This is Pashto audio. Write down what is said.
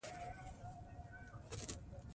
د دوی د واکمنو کوم نوملړ نشته